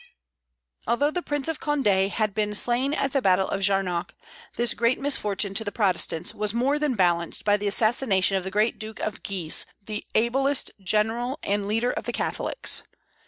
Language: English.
Although the Prince of Condé had been slain at the battle of Jarnac, this great misfortune to the Protestants was more than balanced by the assassination of the great Duke of Guise, the ablest general and leader of the Catholics.